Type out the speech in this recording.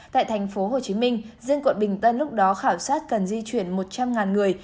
tại thành phố hồ chí minh riêng quận bình tân lúc đó khảo sát cần di chuyển một trăm linh người